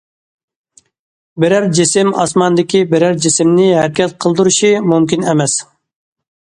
بىرەر جىسىم ئاسماندىكى بىرەر جىسىمنى ھەرىكەت قىلدۇرۇشى مۇمكىن ئەمەس.